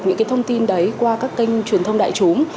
những cái thông tin đấy qua các kênh truyền thông đại chúng